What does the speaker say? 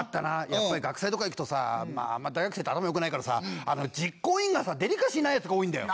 やっぱり学祭とか行くとさあんま大学生って頭良くないからさ実行委員がさデリカシーないヤツが多いんだよ。